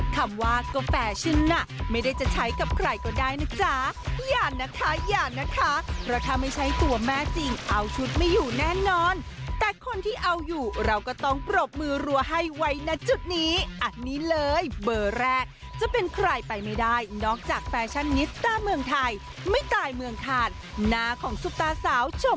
ตอนนี้ใครกันบ้างไปดูกันเลยค่ะ